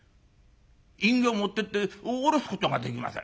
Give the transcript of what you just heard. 印形持ってって下ろすことができません。